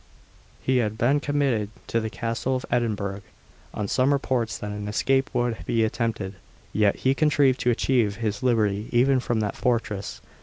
He had been committed to the Castle of Edinburgh on some reports that an escape would be attempted. Yet he contrived to achieve his liberty even from that fortress.